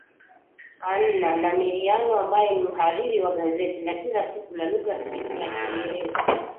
Anna Namiriano ambaye ni mhariri wa gazeti la kila siku la lugha ya kiingereza